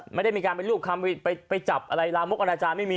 ไม่ได้มีการเป็นรูปจะไปจับระมกอาณาจารย์ไม่มี